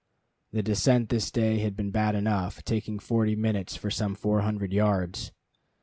The descent this day had been bad enough, taking forty minutes for some four hundred yards.